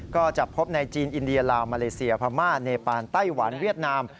ก็จะพบในจีนอินเดียลาวมาเลเซียพม่าเนปานไต้หวันเวียดนาม